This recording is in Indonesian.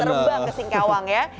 terbang ke singkawang ya